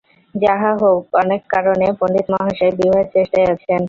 যাহা হউক, অনেক কারণে পণ্ডিতমহাশয় বিবাহের চেষ্টায় আছেন।